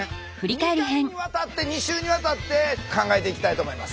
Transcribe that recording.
２回にわたって２週にわたって考えていきたいと思います。